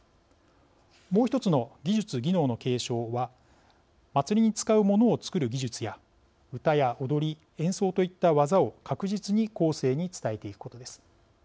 もう一つの技術・技能の継承は祭りに使うものを作る技術や謡や踊り演奏といった技を確実に後世に伝えていくことです。